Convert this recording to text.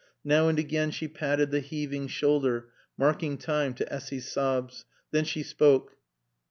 Now and again she patted the heaving shoulder, marking time to Essy's sobs. Then she spoke.